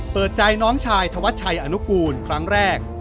เปิดใจน้องชายธวัชชัยอนุกูลครั้งแรก